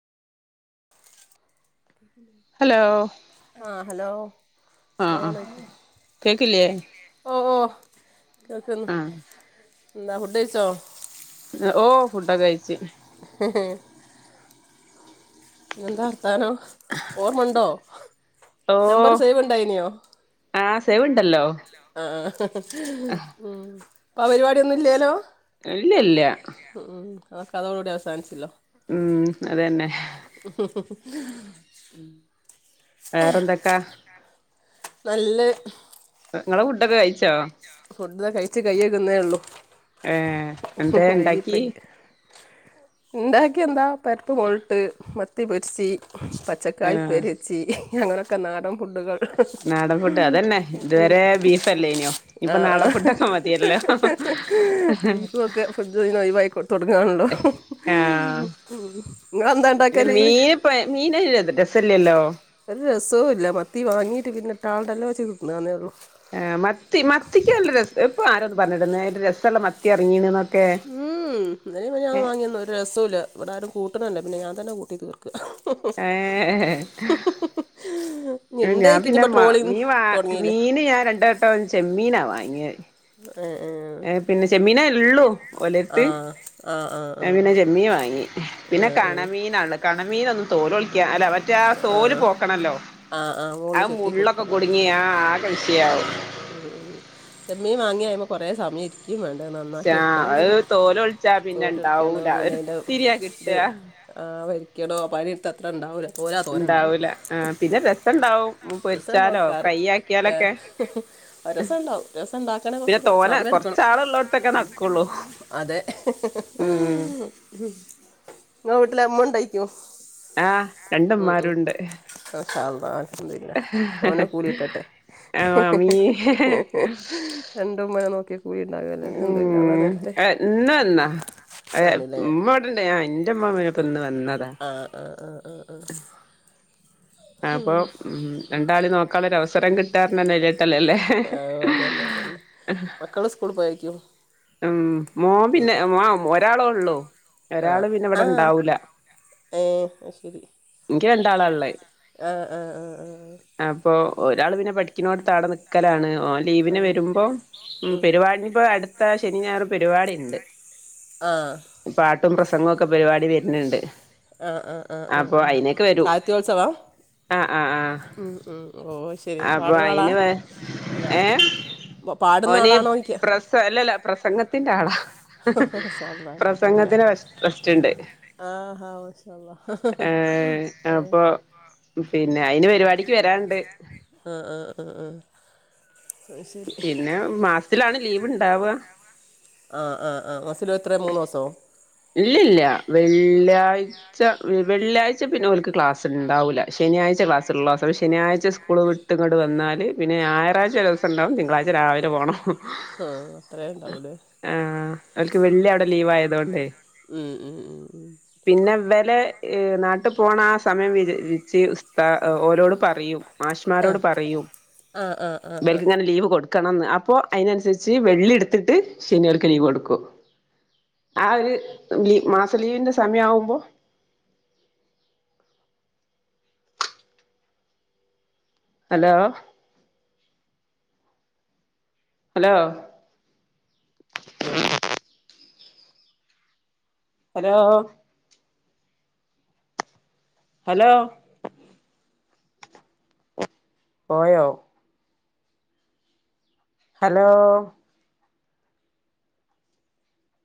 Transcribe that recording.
Hello ആ hello ആ ആ സ്ലലം ലൈക്കും കേക്കില്ലേ ഓ ഓ. കേക്കന്ന് ആ നന്ത ഫുഡെയ്‌ച്ചോ. ഓ ഫുഡൊക്കെ കയിച്ച്. എന്താർത്താനോ ഓർമ്മ ഉണ്ടോ. ഓ നമ്പർ സേവ് ഉണ്ടായിന്യോ. സേവ് ണ്ടല്ലോ. ആ ഉം പ്പ ആ പരിപാടൊന്നുംല്ലല്ലോ. ഇല്ല്യാല്ല. തൊക്കെ അതോട്കൂടി അവസാനിച്ചില്ലോ. ഉം അതന്നെ. വേറെന്തൊക്കാ. നല്ല. ങ്ങളെ ഫുഡൊക്കെ കയിച്ചോ. ഫുഡ കഴിച്ചു കയക്കുന്നേള്ളു ഏ എന്തേ ഇണ്ടാക്കി വഴകിപ്പയി. ഉണ്ടാക്കിയ എന്താ പരിപ്പ് മുളട്ട് മത്തി പൊരിച്ച്.. ആ പച്ചക്കായ പെരിച്ചി അങ്ങനെക്കെ നാടൻ ഫുഡുകൾ. നാടൻഫുഡ് അതന്നെ ഇതുവരെ. ബീഫലല്യേനോ ഇപ്പൊ ആ ആ നാടഫുടൊക്കെ മതിയല്ലോ. യിക്കോ തൊടങ്ങാണല്ലോ ആ ങ്ങൾന്താ ഇണ്ടാക്കല്. രെ രെസല്ലല്ലോ. ഒരു രസൊല്ല മത്തി വാങ്ങീട്ട് പിന്നെ ഇട്ടാളുടെലോവെച്ച് തിന്നാന്നൊള്ളൂ. ആ മത്തി മത്തിക്കല്ല രസ ഇപ്പൊ ആരൊന്ന് പറഞ്ഞിന്നലോ എന്റെ രസള മത്തി ഇറങ്ങീണെന്ന്. ഉം ഉം നലേംമന്യാനും വാങ്ങിന്ന ഒരു രസൂല്ല ഇവിടെ ആരും കൂട്ടണല്ല പിന്നെ ഞൻ. ൻ തനെ കൂട്ടിട് തീർക്ക. ഹേ ഹേ. ഇനി ഞാൻ എന്തേക്ക് ഇനി പിന്നെ ഇപ്പോൾ മാ ട്രോളിങ് മീൻ വ തുടങ്ങിയില്ലേ മീന് ഞാൻ രണ്ട വട്ടംന്ന് ചെമ്മീനാ വാങ്യെ. ഏ, ഏ. ഏർ പിന്നെ ചെമ്മീന ഉള്ളൂ ആ ഓലട്ത്ത്. ആ ആ ആ ആ ൻ പിന്നെ ആ ചെമ്മീൻ വാങ്ങി പിന്നെ ആ കണമീനാണ് കണമീന ഒന്നും തോലൊളിക്ക ആവൂല. മറ്റേ തോല് ആ പോക്കണല്ലോ ആ ആ മോള് ചെത്തി മുള്ളൊക്കെ കൊടുക്കണോ കുടുങ്ങിയാ ആ ആകെ വിഷയാവും. ഉം ഉ ചെമ്മീൻ വാങ്ങിയായമേ കൊറെേ സമയം ഇരിക്കും വേ അത് തോല ഒളിച്ച. പിന്നെ തോലെടുക്കണോ ഇണ്ടാവൂല പിന്നെ ഒരു അയ്ൻ്റെ ഇത്തിര്യാ കിട്ട. കിടോ പനി എടുത്തത്ര ഇണ്ടാവൂല്ല. ണ്ടാവൂല ആ പിന്നെ രസുണ്ടാവും പൊരിച്ചാലോ ഫ്രൈ ആക്കിയാലൊക്കെ. രസം ഇണ്ടാവും രസം ഉണ്ടാക്കണ പിന്നെ കുറച്ച് തോനെ സമയ എടുക്കും. കൊറച്ചാളുള്ളോടത്തൊക്കെ നടക്കുള്ളൂ അതെ. ഉം ങ്ങളെ വീട്ടിൽ അമ്മണ്ടായിക്കോ. ആ് രണ്ടമാരുണ്ട്. ആന്തല്ല ഓനെ കൂലിയിട്ടട്ടെ. ആഹ് മാമീ രണ്ട്മ. ഉ എന്ന എന്നെന്നാ. അ ആണ്ല്ലേ ഉമ്മവിടെണ്ട ഞ എന്റെമ്മമ്മനപ്പന്ന് വന്നതാ. ആ ആ. അപ്പൊ ഉം രണ്ടാളി നോക്കാുള്ളൊര അവസരം കിട്ടറന്നന്നെവല്ല്യട്ടലല്ലേ. ആഹ് അതന്നെ അതന്നെ മക്കള് ഉസ്കൂൾ പോയക്കും. ഉം മോൻ പിന്നെ മോം ഒരാളെ ഉള്ളു. ആഹ് ഒരാള് പിന്നെ ഇവിടെ ആഹ് ഇണ്ടാവൂല ഏഹ് ഇക്കി രണ്ടാളള്ളേ. ഹ ആ ആ ആ. ഒരാൾ പിന്നെ പഠിക്കുന്നോട്താടെ നിക്കലാണ് ഓൻ ലീവിന് വരുമ്പോ ഉം പെരുപാടി അടു ശന ഞാർ പരിപാടി ഉണ്ട് ആഹ് പാട്ടും പ്ര പ്ര സംംഗമൊക്കെ പരിപാടി വരുന്നുണ്ട് ആഹ ആഹ ആഹ അപ്പൊ ആഹ ആ അയിനൊക്കെ വരും സാഹിത്യോത്സവാ ആഹ് ആഹ് ആഹ് ഉ ഉ ഓ ശരി അപ്പൊ പാടുന്ന കാാടാ അയിന് വ ഏഹ് പാടുന്ന ഓന് ആളാണോിക്ക പ്രസ അല്ലല്ല പ്രസംഗത്തിന്റെ ആളാ മാഷാ അല്ലാഹ് പ്രസംഗത്തിന് ട്രസ്റ്റ് ഉണ്ട് ആഹ്ഹ ഉശ ഏഹ് അപ്പൊ പിന്നെ അയിന് പരിപാടിക്ക് വരണ്ട് ആഹ് ആഹ് ആഹ് ആഹ് അത് ശരി പിന്നെ മാസത്തിലാണ് ലീവ് ഇണ്ടാവുക ആആ ആ മസിലോ എത്രയോ മൂന്ന് ദിവസോ ഇല്ലല്ല വെള്ളിയാഴ്ച വെള്ളിയാഴ്ച പ പിന്നെ അവർക്ക് ക്ലാസ് ഉണ്ടാവില്ല ശനിയാഴ്ച ക്ലാസ്സുള്ളത്സം ശനിയാഴ്ച സ്കൂൾ വിട്ട ഇങ്ങോട്ട് വന്നാല് പിന്നെ ഞായാഴ്ച ദിവസംണ്ടാവും തിളഴ്ച രാവിലെ പോകണം ആഹ് അത്രേ ഉണ്ടാവൂലേ ആ അവക്ക് വെള്ളി അവിടെ ലീവ് ആയതോണ്ടേ ഉം ഉം ഉം ഉം പിന്നെ പിന്നെ വില നാട്ടു പോണ ആ സമയം വി വിച്ച്ത ഓരോടും പറയും മാഷമാരോട് ആഹ് പറയും ആഹ് ആഹ് ആഹ് ആഹ് ബക്ക് ഇങ്ങനെ ലീവ് കൊടു ക്കണംന്ന് അപ്പൊ അതിനനുസരിച്ച് വെള്ളി എടുത്തിട്ട് ശനിയവർക്കു ലീവ് കൊടുക്കു ആ ഒരു ലീ മാസ ലീവിന്റെ സമയം ആവുമ്പോ ഹലോ ഹലോ ഹലോ ഹലോ പോയോ ഹലോ